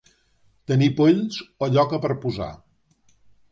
Tenir polls o lloca per posar.